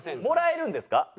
もらえるんですか？